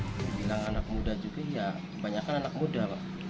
dibilang anak muda juga ya kebanyakan anak muda loh